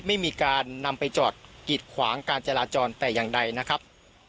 ไม่มีการนำไปจอดกิดขวางการจราจรแต่อย่างใดนะครับ